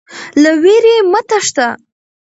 له ویرې مه تښته.